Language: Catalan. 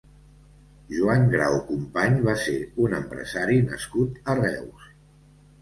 Joan Grau Company va ser un empresari nascut a Reus.